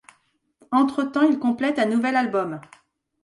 Entretemps, ils complètent un nouvel album.